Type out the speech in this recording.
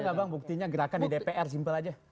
ada nggak bang buktinya gerakan di dpr simple aja